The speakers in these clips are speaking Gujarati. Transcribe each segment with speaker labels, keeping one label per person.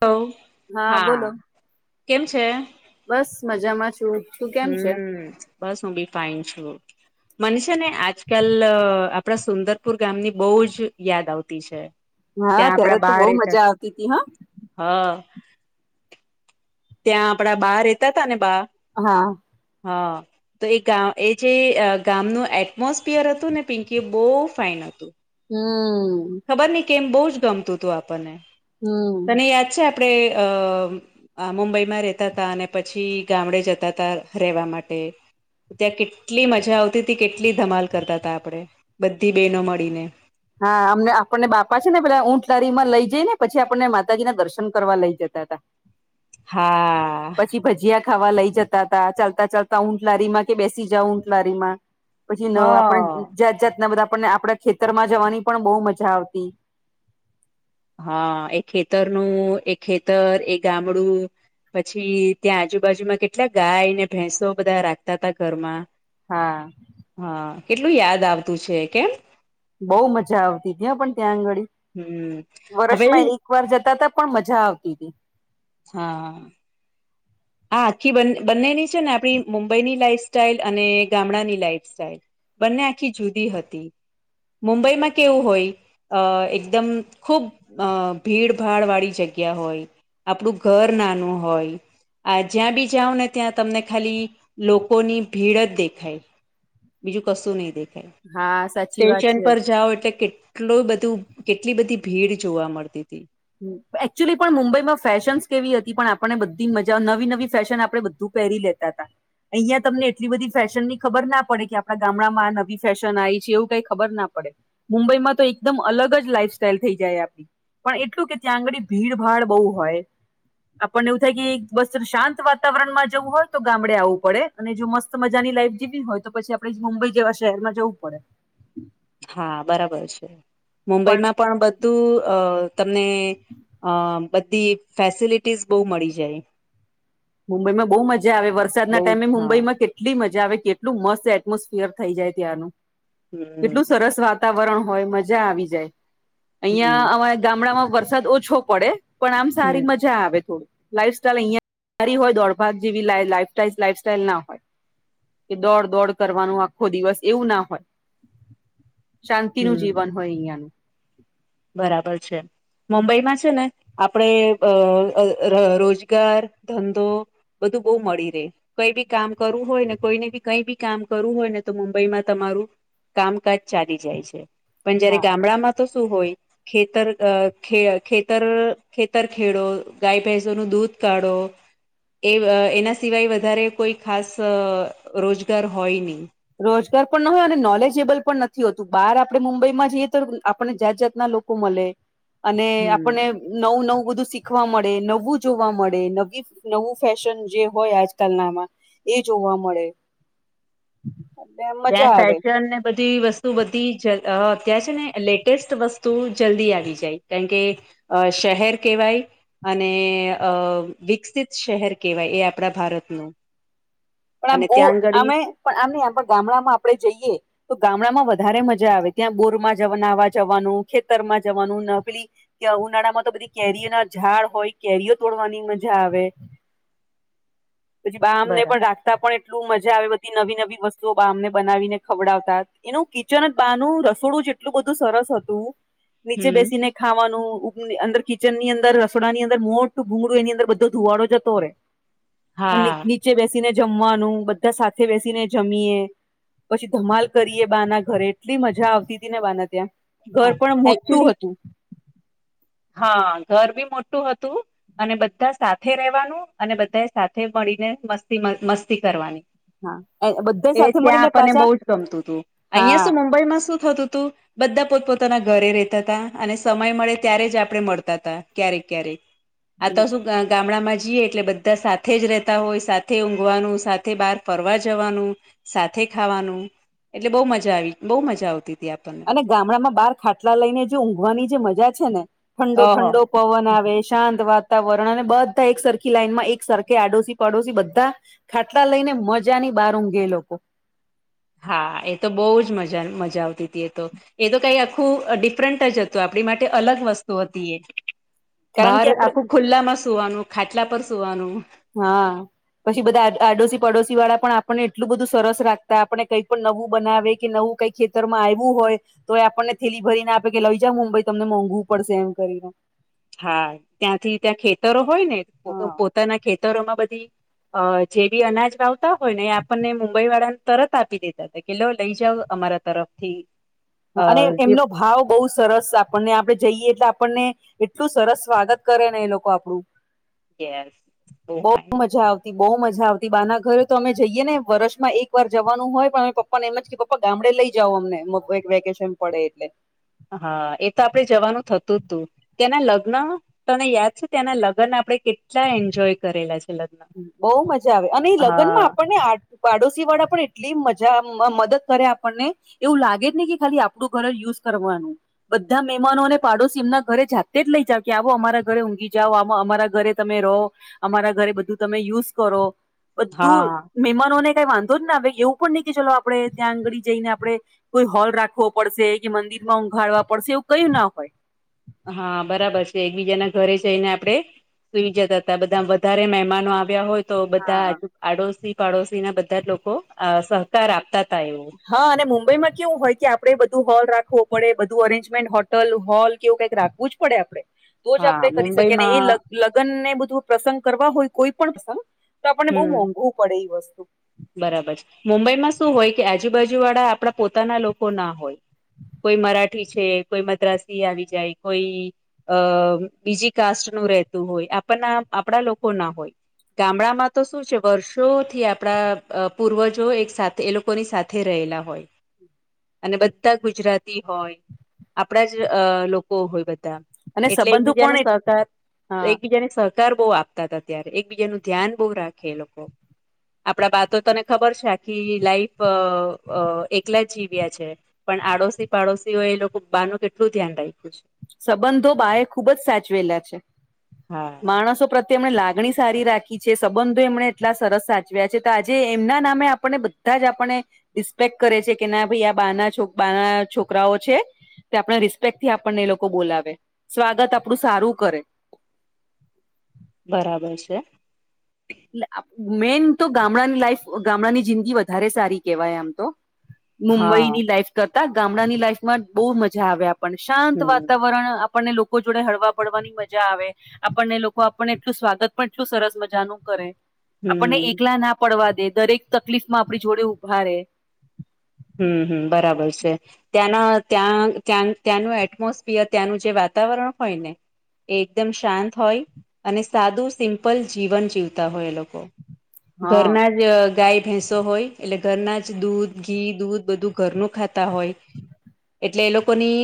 Speaker 1: હાલો હા કેમ છે?
Speaker 2: બસ મજામાં છું. તું કેમ છે?
Speaker 1: હમ્મ બસ હું બી ફાઈન છું. મન છે ને આજકાલ આપણા સુંદરપુર ગામની બહુ જ યાદ આવતી છે
Speaker 2: હા
Speaker 1: ત્યાં
Speaker 2: ત્યારે તો બહુ મજા આવતી તી હા
Speaker 1: હા ત્યાં આપડા બા રહેતા તા ને બા
Speaker 2: હા
Speaker 1: હા તો એ ગા એ જે ગામનું એટમોસપિયર હતું ને પિંકી એ બહુ ફાઈન હતું.
Speaker 2: હમ્મ
Speaker 1: ખબર નહી કે એમ બહુ જ ગમતું હતું આપણને
Speaker 2: હમ
Speaker 1: તને યાદ છે આપણે અ આ મુંબઈ માં રેતા હતાા અને પછી ગામડે જતા હતાા રહેેવા માટે ત્યાં કેટલી મજા આવતી હતી કેટલી ધમાલ કરતા હતાા આપડે બધી બહેનો મળીને.
Speaker 2: હા અમને આપણને બાપા છે ને પેલા ઊંટ લારીમાં લઈ જઈ ને પછી આપણને માતાજી ના દર્શન કરવા લઈ જતા હતા.
Speaker 1: હા.
Speaker 2: પછી ભજીયા ખાવા લઈ જતા તા ચાલતા ચાલતા ઊંટ લારી માં કે બેસી જાવ ઊંટ લારી માં પછી આપણે
Speaker 1: હા
Speaker 2: જાત જાત ના બધા આપણને આપડા ખેતર માં જવાની પણ બો મજા આવતી
Speaker 1: હા એ ખેતરનું એ ખેતર એ ગામડું પછી ત્યાં આજુબાજુમાં કેટલા ગાયને ભેંસો બધા રાખતા હતા ઘરમાં
Speaker 2: હા.
Speaker 1: હા કેટલું યાદ આવતું છે કેમ.
Speaker 2: બઉુ મજા આવતી ત્યાં પણ ત્યાં આંગળી.
Speaker 1: હમ્મ
Speaker 2: વર્ષમાં
Speaker 1: હવે
Speaker 2: એક વાર જતા ત પણ મજા આવતી હતી.
Speaker 1: હા. હા આખી બંનેની છે ને આપણી મુંબઈની લાઈફ સાઈલ અને ગામડાની લાઈફ સસ્ટાઈલ બંને આખી જુદી હતી મુંબઈમાં કેવું હોય અ એકદમ ખૂબ અ ભીડભાડ વાળી જગ્યા હોય આપણું ઘર નાનું હોય આ જ્યાં બી જાઓ ને ત્યાં તમને ખાલી લોકોની ભીડ જ દેખાય બીજું કશું ની દેખાય
Speaker 2: હા સાચી વાત છે
Speaker 1: સ્ટેશન પર જાઓ એટલે કે કેટલું બધું કેટલી બધી ભીડ જોવા મળતી તી
Speaker 2: એકચ્યુલી પણ મુંબઈમાં ફેશન્સ કેવી હતી પણ આપણને બધી મજા નવી નવી ફેશન આપણે બધું પહેરી લે તા તા અહિયાં તમને એટલી બધી ફેશનની ખબર ના પડે કે આપડા ગામડામાં આ નવી ફેશન આવી છે, એવું કઈ ખબર ના પડે મુંબઈમાં તો એકદમ અલગ જ લાઈફ સ્ટાઈલ થઈ જાય આપડી પણ એ એટલું કે ત્યાં આંગળ ભીડભાડ બો હોય આપણને એવું થાય કે વસ્ત્ર શાંત વાતાવરણમાં જવું હોય તો ગામડે આવવું પડે અને જો મસ્ત મજાની લાઈફ જીવવી હોય તો પછી આપડે મુંબઈ જેવા શહેરમાં જવું પડે
Speaker 1: હા બરાબર છે, મુંબઈમાં પણ બધું અ તમને અ બધી ફેસિલિટીઝ બો મળી જાય
Speaker 2: મુંબઈમાં બો મજા આવે વરસાદના
Speaker 1: બહુ
Speaker 2: ટાઈમે
Speaker 1: જ હા
Speaker 2: મુંબઈમાં કે કેટલી મજા આવે કેટલું મસ્ત એટમોસફિયર થઈ જાય ત્યાંનું
Speaker 1: હમ
Speaker 2: કેટલું સરસ વા તાવરણ હોય મજા આવી જાય
Speaker 1: હમ
Speaker 2: અહિયાં અમારે ગામડામાં વરસાદ ઓછો પડે પણ આમ
Speaker 1: હમ
Speaker 2: સારી મજા આવે થોડ લાઈફ સ્ટાઈલ અયા સારી હોય દોડભાગ જેવી લા લાઈફ સ્ટાઈલ લાઈફ સટાયીલ ના હોય કે દોડ દોડ કરવાનું આખો દિવસ એવું ના હોય શાંતિનું
Speaker 1: હમ
Speaker 2: જીવન હોય અયાનું
Speaker 1: બરાબર છે. મુંબઈમાં છે, ને આપડે અ અ ર રોજગાર, ધંધો બધું બો મળી રેય કઈ બી કામ કરવું હોય ને કોઈને બી કઈ બી કામ કરું હોયને તો મુંબઈમાં તમારું કામકાજ ચાલી જાય છે, પણ જયારે
Speaker 2: હા
Speaker 1: ગામડામાં તો શું હોય ખેતર અ ખે ખેતર ખેતર ખેડો ગાય ભેસો નુ દૂધ કાઢો એ એના સિવાય વધારે કોઈ ખાસ રોજગાર હોય ની
Speaker 2: રોજગાર પણ ન હોય અને નોલેજેબલ પણ નથી હોતું બહાર આપડે મુંબઈમાં જઈએ તો આપણે જાત જાતના લો કો મલે અને
Speaker 1: હમ
Speaker 2: આપણને નવું નવું બધું શીખવા મળે નવું જોવા મળે નવી નવું ફેશન જે હોય આજકાલનામાં એ જોવા મળે એટલે
Speaker 1: ત્યાં
Speaker 2: મજા આવે
Speaker 1: ફેશન ને બધી વસ્તુ બધી જ અ અત્યાર છે, ને લેટેસ્ટ વસ્તુ જલ્દી આવી જાય કારણ કે અ શહેર કેવાય અને અ વિકસિત શહેર કેવાય એ આપણા ભારતનું
Speaker 2: પણ આમ
Speaker 1: અને
Speaker 2: બો
Speaker 1: ત્યાં આગળી
Speaker 2: અમે પણ આમ ની આમ ગામડામાં આપડે જઈએ તો ગામડામાં વધારે મજા આવે ત્યાં બોરમાં જવા જવાનું ખેતરમાં જવાનું નકલી કય ઉનાળામાં તો બધી કેરીઓ ના ઝાડ હોય કેરીઓ તોડવાની મજા આવે
Speaker 1: [unintelligible]
Speaker 2: પછી બામ ને પણ
Speaker 1: બરાબર
Speaker 2: રા પણ એટલું મજા આવે બધી નવી નવી વસ્તુઓામને બનાવીને ખવડાવતા એનું અચનક બાનું રસોડું જેટલું બધું સરસ હતુ
Speaker 1: [unintelligible]
Speaker 2: નીચે બેસીને ખાવાનું અંદર કિચનની અંદર રસડાની અંદર મોટું ભૂગળું એની અંદર બધો ધુવાડો જતો રે
Speaker 1: [unintelligible]
Speaker 2: નીચે બેસીને જમવાનું બધા સાથે બેસીને જમીએ પછી ધમાલ કરીએ બાના ઘરે એટલી મજા આવતી હતી ને બાના ત્યાં ઘર પણ
Speaker 1: હા
Speaker 2: મોટું
Speaker 1: એકચુલી
Speaker 2: હતુ
Speaker 1: હા ઘર બી મોટું હતુ. અને બધા સાથે રહેવાનું અને બધા સાથે મળીને મસ્તી મસ્તી કરવાની
Speaker 2: હા બધા
Speaker 1: એ
Speaker 2: સાથે
Speaker 1: ત્યાં
Speaker 2: મળીને
Speaker 1: આપણને
Speaker 2: પાછા
Speaker 1: બહુ જ ગમતું હતું અહિયાં
Speaker 2: હા
Speaker 1: શું મુંબઈમાં શું થતું હતુ. બધા પોતપોતાના ઘરે ર રહેતા હતા અને સમય મળે ત્યારે જ આપડણે મળતા ત ક્યારેક ક્યારેક આ તો શુ ગામડામાં જઈએ એટલે બધા સાથે જ રહેતા હોય સાથે ઊંઘવાનું સાથે બહાર ફરવા જવાનુ સાથે ખાવાનું એટલે બહુ મજા આવી બહુ મજા આવતી હતી આપણને
Speaker 2: અને ગામડામાં બાર ખાટલા લઈને જે ઊઘવાની જે મજા છે ને ઠંડો
Speaker 1: ઓહો
Speaker 2: ઠંડો પવન આવે શાંત વાતાવરણ અને બધા એક સરખી લાઈન માં એક સરખે આડોશી પાડોશી બધા ખાટલા લઈને મજા ની બહારમ ગે લોકો
Speaker 1: હા એ તો બહુ જ મજા મજા આવતી હતી એ તો એ તો કઈ આખું ડિફરન્ટ જ હતું આપણી માટે અલગ વસ્તુ હતી એ
Speaker 2: કારણ
Speaker 1: બહાર
Speaker 2: કે
Speaker 1: આખું
Speaker 2: આપડે
Speaker 1: ખુલ્લા માં સુવાનું ખાટલા પર સુવાનુ
Speaker 2: હા પછી બધા આડોશી પડોશી વાળા પણ આપણને એટલું બધું સરસ રાખતા આપને કઈ પણ નવું બનાવે કે નવું કઈ ખેતરમાં આવું હોય તો એ આપણને થેલી ભરીને આપે કે લઈ જા મુંબઈ તમને મોંઘવું પડશે એમ કરીને
Speaker 1: હા ત્યાંથી ત્યાં ખેતરો હોય, ને
Speaker 2: હા
Speaker 1: પોતાના ખેતરોમાં બધી અ જે બી અનાજ વાાવતા હોય ને એ આપણને મુંબઈ વાળાને તરત આપી દેતા હતા. કલો લઈ જાવ અમારા તરફથી અ
Speaker 2: અને એમનો
Speaker 1: ગિફ્ટ
Speaker 2: ભાવ બહુ સરસ આપણને આપણે જઈએ એટલે આપણને એટલું સરસ સ્વાગત કરે ને એ લોકો આપડું
Speaker 1: યસ
Speaker 2: બહુ મજા બહુ મજા આવતી બા ના ઘરે તો અમે જઈએ ને વર્ષમાં એક વાર જવાનું હોય પણ અમે પપ્પા પણ એમ જ કે પપા ગામડે લઈ, જઓ અમને વેકેશન પડે એટલે
Speaker 1: હા એ તો આપડે જવાનું થતું જ તું તેના લગ્ન તને યાદ છે તેના લગ્ન આપણે કેટલા એન્જોય કરેલા છે લ
Speaker 2: બહઉ મજા આવે અને એ લગ્નમાં આપણને આ પાડોશી વાળા પણ એટલી મજા મદદ કરે આપણને એવું લાગે જ નને કે ખાલી આપણું ઘર યુઝ કરવાનું બધા મહેમાનો અને પાડોશી એમના ઘરે જાતે જ લઈ જાવ કે આવો અમારા ઘરે ઊઘીાવ અમારા ઘરે તમે રહો અમારા ઘરે બધું તમે યુઝ કરો બધુ
Speaker 1: હા
Speaker 2: મહેમાનોને કઈ વાંધો જ ને હ એવું પણ નહીં કે ચલો આપડણે ત્યાં આંગળ જઈને આપડણે કોઈ હોલ રાખવો પડશે કે મંદિર માં ઉઊઘાડવા પડશે એવું કયું ના હોય.
Speaker 1: હા બરાબર છે એકબીજાના ઘરે જઈને આપડે સુઈ જતા હતા બધા વધારે મહેમાનો આવ્યા હોય. તો બધા
Speaker 2: હા
Speaker 1: આડોશી પાડોશી ના બધા જ લોકો સહકાર આપતા ત એવું
Speaker 2: હા અને મુંબઈમાં કેવું હોય કે આપડે બધું હોલ રાખવો પડે બધું અરેન્જમેન્ટ હોટલ હોલ કેવું કંઈક રાખવું જ પડે આપડે તો જ
Speaker 1: હા
Speaker 2: આપણે કરી શકીએ ને એ
Speaker 1: મુંબઈમાં
Speaker 2: લગ લગ્ન ને બધું પ્રસંગ કરવા હોય કોઈ પણ પ્રસંગ તો આપણને બહુ
Speaker 1: હમ
Speaker 2: મોંઘવું પડે એ વસ્તુ
Speaker 1: બરાબર છે મુંબઈમાં શું હોય કે આજુબાજુ વાળા આપણા પોતાના લોકો ના હોય. કોઈ મરાઠી છે કોઈ મદ્રાસી આવી જાય કોઈ અ બીજી કાસ્ટ નું રહેતું હોય આપના આપણા લોકો ના હોય. ગામડામાં તો શું છે, વર્ષોથી આપડા અ પૂર્વજો એક સાથે એ લોકોની સાથે રહેલા હોય. અને બધા ગુજરાતી હોય આપણા જ અ લોકો હોય બધા
Speaker 2: અને
Speaker 1: એટલે
Speaker 2: સંબંધો
Speaker 1: એકબીજાને
Speaker 2: પણ એ-
Speaker 1: સહકાર
Speaker 2: હા
Speaker 1: એકબીજાને સહકાર બ આપતા હતા ત્યારે એક બીજા નું ધ્યાન બહ રાખે એ લોકો આપડા બા તો તને ખબર છે, અખી લાાઈફ એકલા જ જીવ્યા છે પણ આડોશી પાડોશીઓ એ લોકો બા નું કેટલું ધ્યાન રાખ્યું છે.
Speaker 2: સંબંધો બા એ ખૂબ જ સાચવેલા છે.
Speaker 1: હા
Speaker 2: માણસો પ્ર તેમણે લાગણી સારી રાખી છે સંબંધો એમને એટલા સરસ સાચવ્યા છે તો આજે એમના નામે આપને બધા જ આપણે રિસ્પેક્ટ કરે છે કે ના ભાઈ આ બાના છો બાના છોકરાઓ છે. તે આપણા રિસ્પેક્ટ થી આપણને એ લોકો બોલાવે, સ્વાગત આપણું સારું કરે
Speaker 1: બરાબર છે.
Speaker 2: મેઈન તો ગામડાની લાઈફ ગામડાની જિંદગી વધારે સારી કેહેવાય આમ તો મુંબઈ
Speaker 1: હા
Speaker 2: ની લાઈફ કરતા ગામડાની લાઈફમાં બહુ મજા આવે પણ શાંત
Speaker 1: હમ
Speaker 2: વાતાવરણ આપણને લોક લોકો જોડે હળવા પડવાની મજા આવે આપણને લોકો આપણને એટલું સ્વાગત પણું સરસ મજાનું કરે આપણને
Speaker 1: હમ
Speaker 2: એકલા ના પડવા દે દરેક તકલીફ માં આપણી જોડે ઉભારે
Speaker 1: હમ હમ બરાબર છે. ત્યાંના ત્યાં ત્યાં ત્યાંનું એટમોસફિયર ત્યાંનું જે વાતાવરણ હોય ને એ એકદમ શાંત હોય અને સાદું સિમ્પલ જીવન જીવતા હોય એ લોકો
Speaker 2: હા
Speaker 1: ઘરના જ ગાય ભેંસો હોય એટલે ઘરના જ દૂધ ઘી દૂધ બધું ઘરનું ખાતા હોય એટલે એ લોકોની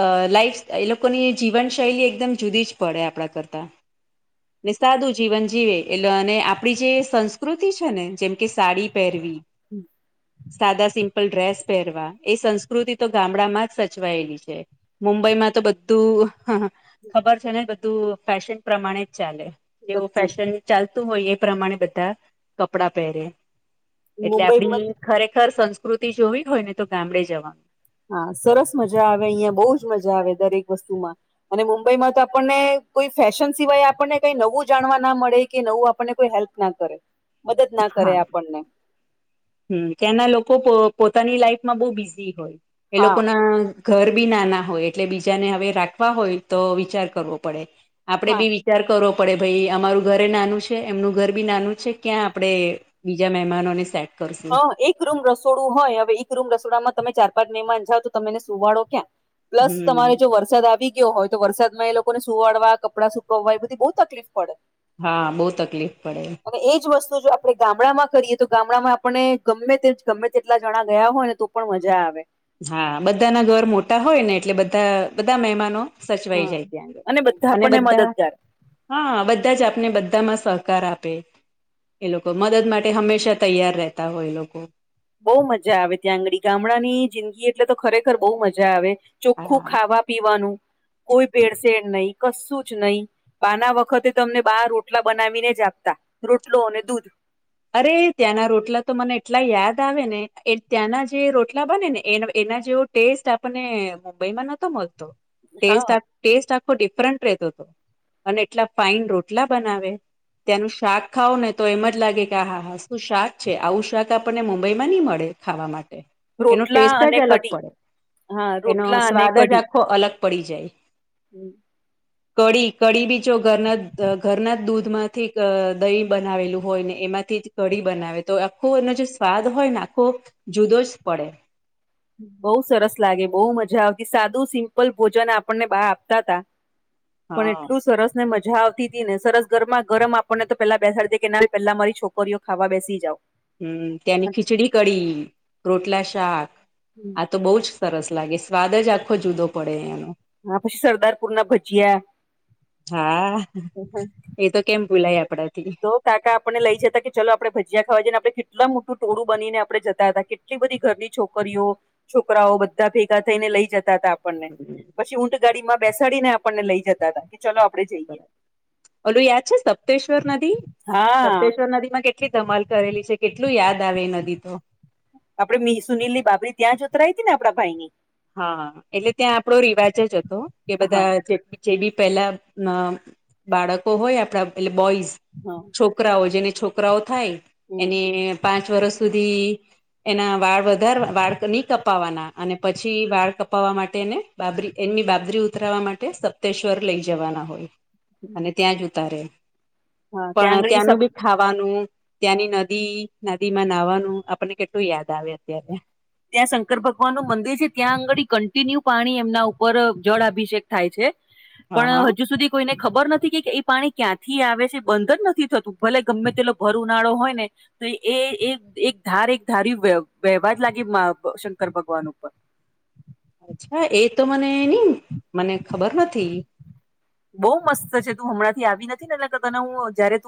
Speaker 1: અ લાઈફ એ લોકોની જીવનશૈલી એકદમ જુદી જ પડે આપણા કરતા ને સાદું જીવન જીવે એટલે અને આપડી જે સંસ્કૃતિ છે ને જેમ કે સાડી પહેરવી
Speaker 2: હમ
Speaker 1: સાદા સિમ્પલ ડ્રેસ પહેરવા એ સંસ્કૃતિ તો ગામડામાં જ સચવાયેલી છે. મુંબઈ માં તો બધું હા ખબર છે ને બધું ફેશન પ્રમાણે જ ચાલે જેવું
Speaker 2: બધું
Speaker 1: ફેશન ચાલતું હોય એ પ્રમાણે બધા કપડા પહેરે એટલે આપડી
Speaker 2: મુંબઈમાં
Speaker 1: ખરેખર સંસ્કૃતિ જોવી હોય ને તો ગામડે જવાનું
Speaker 2: હા સરસ મજા આવે અહિયાં બહુ જ મજા આવે દરેક વસ્તુમાં અને મુંબઈમાં તો આપણને કોઈ ફેશન સિવાય આપણને કઈ નવું જાણવા ના મળે કે નવું આપણને કોઈ હેલ્પ ના કરે મદદ ના
Speaker 1: હા
Speaker 2: કરે આપણને
Speaker 1: હમ ત્યાંના લોકો પોતાની લાઈફમાં બહ બિઝી હોય એ
Speaker 2: હા
Speaker 1: લોકો ના ઘર બી નાના હોય એટલે બીજાને હવે રાખવા હોય તો વિચાર કરવો પડે આપડે
Speaker 2: હા
Speaker 1: બી વિચાર કરવો પડે ભાઈ અમારું ઘરે નાનું છે એમનું ઘર બી નાનું છે ક્યાં આપડે બીજા મહેમાનોને સેટ
Speaker 2: હ
Speaker 1: કરશું
Speaker 2: એક રૂમ રસોડું હોય હવે એક રૂમ રસોડામાં તમે ચાર પાંચ મહેમાન જાઓ તો તમેને સુવાડો ક્યાં પ્લસ
Speaker 1: હમ
Speaker 2: તમારે જો વર સાદ આવી ગયો હોય તો વરસાદમાં એ લોકોને સુવાડવા કપડાં સુકવવા એ બધી બહુ તકલીફ પડે.
Speaker 1: હા બહુ તકલીફ પડે.
Speaker 2: હવે એ જ વસ્તુ જો આપણે ગામડામાં કરીએ તો ગામડામાં આપ પણને ગમે તે ગમે તેટલા જણા ગયા હોય ને તો પણ મજા આવે.
Speaker 1: હા બધાના ઘર મોટા હોય ને એટલે બધા બધા મહેમાનો સચવાઈ
Speaker 2: હા
Speaker 1: જાય ત્યાં આગળ
Speaker 2: બધા
Speaker 1: અને
Speaker 2: આપણને
Speaker 1: બધ્ધા
Speaker 2: મદદગાર
Speaker 1: હા બધા જ આપને બધામાં સહકાર આપે એ લોકો મદદ માટે હંમેશા તૈયાર રહેતા હોય એ લોકો
Speaker 2: બહુ મજા આવે ત્યાં આંગડી ગામડાની જિંદગી એટલે તો ખરેખર બહુ મજા આવે ચોખ્ખું
Speaker 1: હા
Speaker 2: ખાવા પીવાનું કોઈ ભેડસેડ નહી કશું જ નહી બાના વખતે તમને બાર રોટલા બનાવીને જ આપતા રોટલો અને દૂધ
Speaker 1: અરે ત્યાંના રોટલા તો મને એટલા યાદ આવે ને ત્યાંના જે રોટલા બને ને એન એના જેવો ટેસ્ટ આપને મુંબઈમાં નતો મળતો
Speaker 2: હા
Speaker 1: ટેસ્ટ-ટેસ્ટ આખો ડિફરન્ટ રહેતો હતો અને એટલા ફાઈન રોટલા બનાવે ત્યાંનું શાક ખાવ ને તો એમ જ લાગે ક હા હા શું શાક છે આવું શાક આપણને મુંબઈ માં નહી મળે ખાવા માટે એનો
Speaker 2: રોટલા
Speaker 1: ટેસ્ટ
Speaker 2: અને
Speaker 1: જ અલગ
Speaker 2: કઢી
Speaker 1: પડે
Speaker 2: હા
Speaker 1: એનો
Speaker 2: રોટલા અને
Speaker 1: સ્વાદ જ આખો અલગ પડી જાય.
Speaker 2: હમ્મ
Speaker 1: [inaudible] કઢી કઢી બી જો ઘરના ઘરના જ દૂધમાંથી દ-દહીં બનાવેલું હોય ને એમાં થી જ કડી બનાવે બનાવે તો આખો એનો જે સ્વાદ હોય ને આખો જુદો જ પડે
Speaker 2: બહુ સરસ લાગે બહુ મજા આવતી સાદું સિમ્પલ ભોજન આપણને બા આપતા તા
Speaker 1: [inaudible]
Speaker 2: પણ એટલું સરસ ને મજા આવતી હતી ને સરસ ગરમા ગરમ આપણને તો પેલા બેસાડી દે કે ના પેલા મારી છોકરીઓ ખાવા બેસી જાવ
Speaker 1: હમ તેની ખીચડી-કડી, રોટલા-શાક
Speaker 2: હમ્મ
Speaker 1: આ તો બહુ જ સરસ લાગે સ્વાદ જ આખો જુદો પડેનો
Speaker 2: હા પછી સરદારપુર ના ભજીયા
Speaker 1: હા એતો કેમ ભૂલાય આપડાથી
Speaker 2: હઓ કાકા આપણે લઈ જતા કે ચલો આપણે ભજીયા ખાવા જ ને આપણે કેટલા મોટું ટોળું બનીને આપણે જતા હતા કેટ કેટલી બધી ઘરની છોકરીઓ છોકરાઓ બધા ભેગા થઈને લઈ જતા હતા. આપણને પછી ઊંટ ગાડી માં બેસાડીને આપણને લઈ જતા હતા કે ચલો આપડે જઈએ.
Speaker 1: ઓલું યાદ છે સપ્તેશ્વર નદી
Speaker 2: હા
Speaker 1: સપ્તેશ્વર નદી માં કે કેટલી ધમાલ કરેલી છે કેટલું યાદ આવે એ નદી તો
Speaker 2: આપડે મિસુનિલિ બાબરી ત્યાં જ ઉતરાઈ હતી ને આપણા ભાઈ ની
Speaker 1: હા એટલે ત્યાં આપડો રિવાજ જ હતો કે
Speaker 2: હા
Speaker 1: બધા જેટ જે બી પેલા બાળકો હોય આપણા એટલે બોઈઝ
Speaker 2: હા
Speaker 1: છોકરાઓ જેને છોકરાઓ થાય
Speaker 2: હમ,
Speaker 1: એને પાંચ વર્ષ સુધી એના વાળ વધાર વાળ ની કપાવાના અને પછી વાળ કપાવવા માટેને બાબરી એમની બાબરી ઉતરાવા માટે સપ્તેશ્વર લઈ જવાના હોય. અને
Speaker 2: હમ.
Speaker 1: ત્યાં જ ઉતારે
Speaker 2: હા ત્યાં
Speaker 1: પણ
Speaker 2: આંગળી
Speaker 1: ત્યાંનું બી ખાવાનું ત્યાંની નદી નદી માં નાહવાનું આપણને કેટલું યાદ આવે અત્યારે
Speaker 2: ત્યાં શંકર ભગવાન નું મંદિર છે ત્યાં આંગળ કન્ટિન્યુ પાણી એમના ઉપર જળ અભિષેક થાય છે.
Speaker 1: હા
Speaker 2: પણ
Speaker 1: હા
Speaker 2: હજુ સુધી કોઈને ખબર નથી કે એ પાણી ક્યાંથી આવે છે બંધ જ નથી થતું ભલે ગમે તેલો ભર ઉનાળો હોય ને તો એ એક એક ધાર એક ધારી વ્યહેવા જ લાગે શંકર ભગવાન ઉપર
Speaker 1: અચ્છા એ તો મને નની મને ખબર નથી.
Speaker 2: બઉ મસ્ત છે તું હમણાં થી આવી નથી ને એટલે તને હું જયારે તુ